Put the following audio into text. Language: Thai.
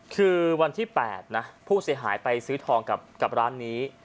คือวันที่๘นะผู้เสียหายไปซื้อทองกับร้านนี้